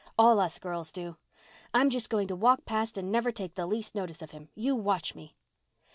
All us girls do. I'm just going to walk past and never take the least notice of him. You watch me!"